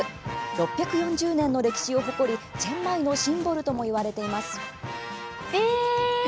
６４０年の歴史を誇りチェンマイのシンボルともいわれています。